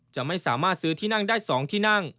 จะไม่สามารถซื้อที่นั่งได้๒ที่นั่ง